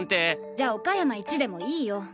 じゃあ岡山一でもいいよ。